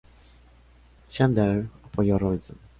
Chandler apoyó Robinson.